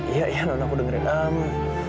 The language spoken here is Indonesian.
iya iya non aku dengerin ama